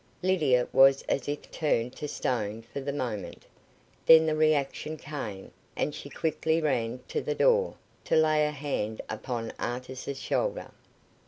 Lydia was as if turned to stone for the moment. Then the reaction came, and she quickly ran to the door, to lay her hand upon Artis's shoulder.